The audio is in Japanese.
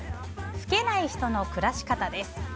老けない人の暮らし方です。